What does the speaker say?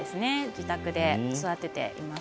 自宅で育てています。